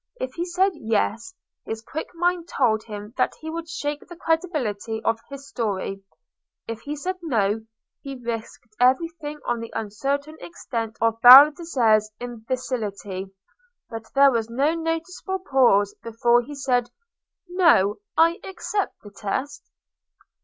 If he said "Yes," his quick mind told him that he would shake the credibility of his story: if he said "No," he risked everything on the uncertain extent of Baldassarre's imbecility. But there was no noticeable pause before he said, "No. I accept the test."